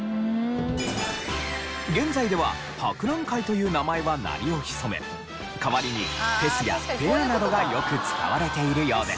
現在では「博覧会」という名前は鳴りを潜め代わりに「フェス」や「フェア」などがよく使われているようです。